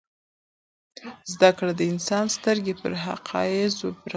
زده کړه د انسان سترګې پر حقایضو پرانیزي.